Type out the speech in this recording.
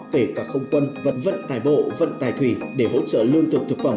kể cả không quân vận vận tài bộ vận tài thủy để hỗ trợ lương thuộc thực phẩm